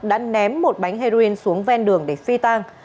đã ném một bánh heroin xuống ven đường để phi tang